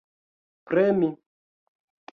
premi